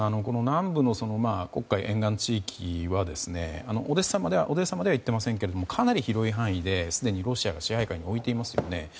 南部の黒海沿岸地域はオデーサまでは行っていませんがかなり広い範囲ですでにロシアが支配下に置いていますよね。